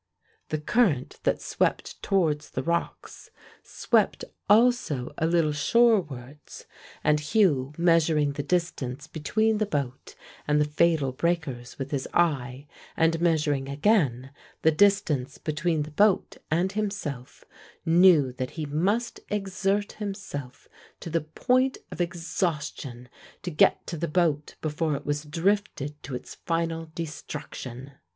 The current that swept towards the rocks, swept also a little shorewards, and Hugh measuring the distance between the boat and the fatal breakers with his eye, and measuring again the distance between the boat and himself, knew that he must exert himself to the point of exhaustion to get to the boat before it was drifted to its final destruction.